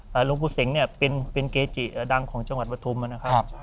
หลวงปู่เสงส์เนี่ยเป็นเกจิดังของจังหวัดประทุมแล้วนะครับ